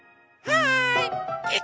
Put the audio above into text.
はい！